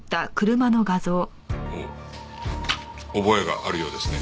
おっ覚えがあるようですね。